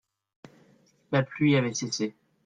La pluie avait cessé.